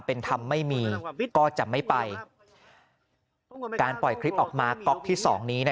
เป็นธรรมไม่มีก็จะไม่ไปการปล่อยคลิปออกมาก๊อกที่สองนี้